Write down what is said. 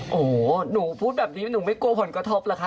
โอ้โหหนูพูดแบบนี้หนูไม่กลัวผลกระทบเหรอคะ